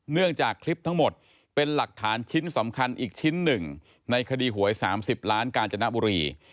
เนื่องจากคลิปทั้งหมดเป็นหลักฐานชิ้นสำคัญอีกชิ้นหนึ่งในคดีหวย๓๐ล้านกาญจนบุรี